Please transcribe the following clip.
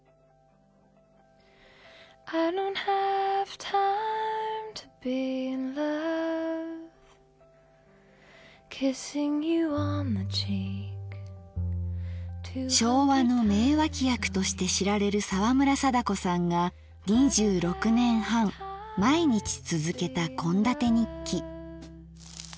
すごい！昭和の名脇役として知られる沢村貞子さんが２６年半毎日続けた献立日記。